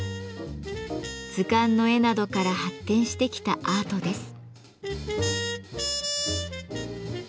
図鑑の絵などから発展してきたアートです。